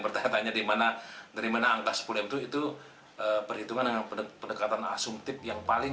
bertanya tanya dimana dari mana angka sepuluh itu perhitungan dengan pendekatan asumtif yang paling